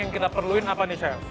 yang kita perluin apa nih chef